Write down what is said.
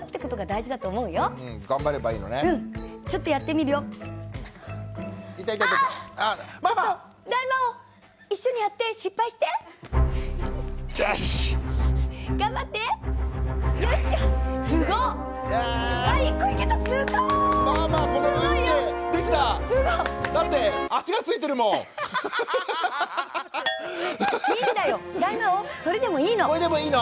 大魔王それでもいいの。